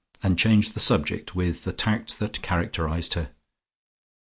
and change the subject, with the tact that characterized her.